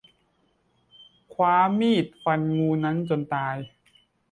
คว้ามีดฟันงูนั้นจนตาย